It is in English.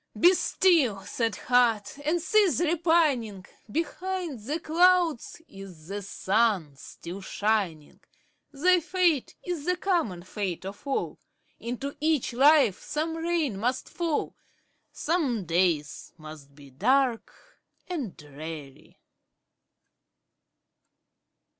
Be still, sad heart! and cease repining; Behind the clouds is the sun still shining; Thy fate is the common fate of all, Into each life some rain must fall, Some days must be dark and dreary.